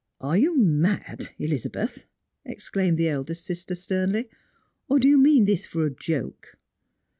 "Are you mad, Elizabeth? " exclaimed the eldest sister sternly ;" or do you mean this for a joke